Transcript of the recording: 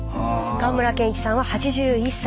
河村賢一さんは８１歳。